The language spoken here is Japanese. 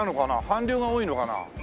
韓流が多いのかな？